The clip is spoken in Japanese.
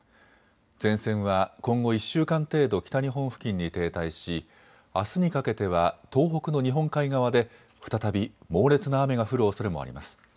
前線は今後１週間程度、北日本付近に停滞しあすにかけては東北の日本海側で再び猛烈な雨が降るおそれもあります。